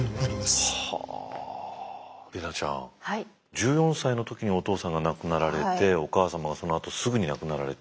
１４歳の時にお父さんが亡くなられてお母様がそのあとすぐに亡くなられて。